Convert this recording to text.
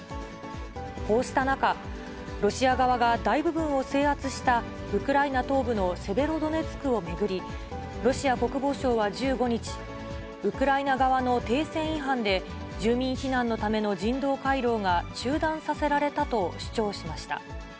こうした中、ロシア側が大部分を制圧したウクライナ東部のセベロドネツクを巡り、ロシア国防省は１５日、ウクライナ側の停戦違反で、住民避難のための人道回廊が中断させられたと主張しました。